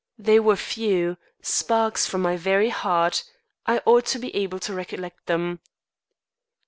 They were few sparks from my very heart I ought to be able to recollect them.